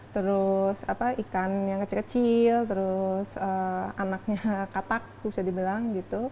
terus ikan yang kecil kecil terus anaknya katak bisa dibilang gitu